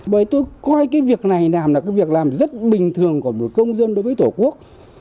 bởi tôi coi cái việc này làm là cái việc làm rất bình thường của một công dân đối với tổ quốc